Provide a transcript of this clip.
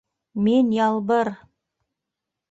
Мин Ялбыр!!!